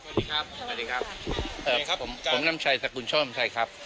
สวัสดีครับสวัสดีครับผมนำชัยสกุลโชคนำชัยครับ